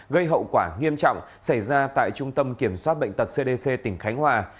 gây hậu quả nghiêm trọng xảy ra tại trung tâm kiểm soát bệnh tật cdc tỉnh khánh hòa